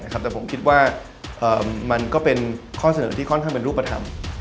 แต่ผมคิดว่ามันก็เป็นข้อเสนอที่ค่อนข้างเป็นรูปธรรม